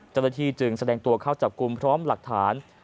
จรฐธีจึงแสดงตัวเข้าจับกลุ่มพร้อมหลักฐาน